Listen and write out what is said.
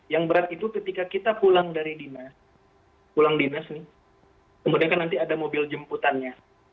yang berat itu ketika kita pulang dari dinas pulang dinas nih kemudian kan nanti ada mobil jemputannya